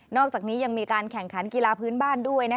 อกจากนี้ยังมีการแข่งขันกีฬาพื้นบ้านด้วย